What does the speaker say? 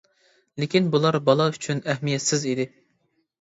لېكىن، بۇلار بالا ئۈچۈن ئەھمىيەتسىز ئىدى.